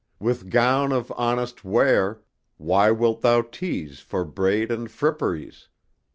With gown of honest wear, why wilt thou tease For braid and fripperies?